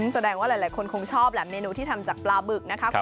แสดงว่าหลายคนคงชอบแหละเมนูที่ทำจากปลาบึกนะครับ